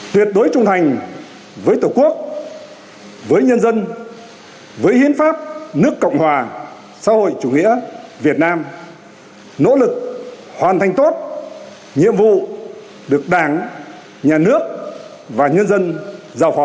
tuyệt đối trung thành với tổ quốc với nhân dân với hiến pháp nước cộng hòa xã hội chủ nghĩa việt nam nỗ lực hoàn thành tốt nhiệm vụ được đảng nhà nước và nhân dân giao phó